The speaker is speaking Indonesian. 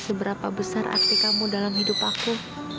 seberapa besar akti kamu dalam hidup aku